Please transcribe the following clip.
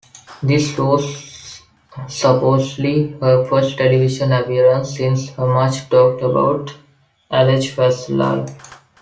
This was supposedly her first television appearance since her much talked-about alleged facelift.